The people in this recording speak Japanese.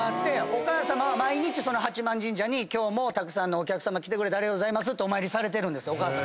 お母さまは毎日八幡神社にたくさんのお客さま来てくれてありがとうございますとお参りされてるんですよ。